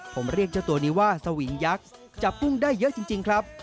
ผมเรียกเจ้าตัวนี้ว่าสวิงยักษ์จับกุ้งได้เยอะจริงครับ